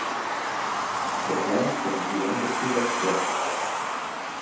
The plans for the new embassy were scrapped.